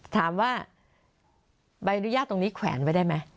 ถามว่าใบอนุญาตตรงนี้แขวนไว้ได้ไหม